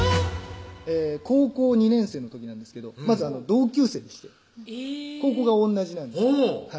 高校２年生の時なんですけどまず同級生でして高校が同じなんですほう